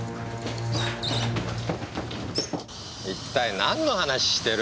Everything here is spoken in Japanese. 一体何の話してる？